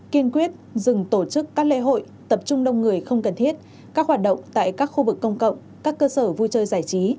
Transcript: kiên quyết dừng tổ chức các lễ hội tập trung đông người không cần thiết các hoạt động tại các khu vực công cộng các cơ sở vui chơi giải trí